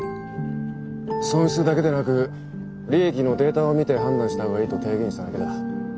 損失だけでなく利益のデータを見て判断した方がいいと提言しただけだ。